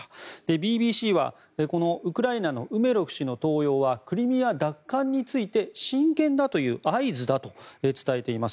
ＢＢＣはこのウクライナのウメロフ氏の登用は、クリミア奪還について真剣だという合図だと伝えています。